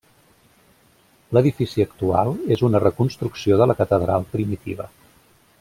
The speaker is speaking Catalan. L'edifici actual és una reconstrucció de la catedral primitiva.